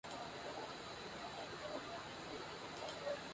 Los orígenes de la iglesia de Santa Catalina datan de la edad media.